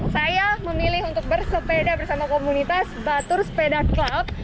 saya memilih untuk bersepeda bersama komunitas batur sepeda club